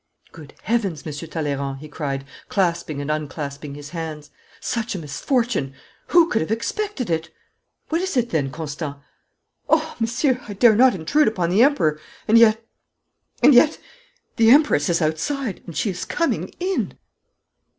'Good Heavens, Monsieur Talleyrand,' he cried, clasping and unclasping his hands. 'Such a misfortune! Who could have expected it?' 'What is it, then, Constant?' 'Oh, Monsieur, I dare not intrude upon the Emperor. And yet And yet The Empress is outside, and she is coming in.'